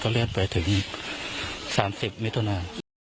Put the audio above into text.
เลื่อนไปถึง๓๐มิถุนา